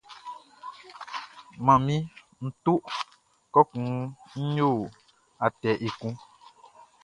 Manmi, nʼto kɔkun nʼyo atɛ ekun.